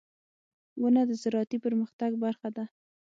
• ونه د زراعتي پرمختګ برخه ده.